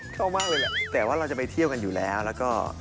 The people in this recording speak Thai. ชอบมากเลยแหละแต่ว่าเราจะไปเที่ยวกันอยู่แล้วแล้วก็